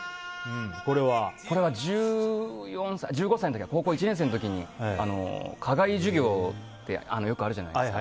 これは１５歳の高校１年生の時に課外授業ってよくあるじゃないですか。